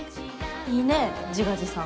いいね自画自賛。